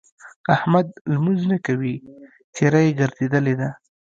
احمد لمونځ نه کوي؛ څېره يې ګرځېدلې ده.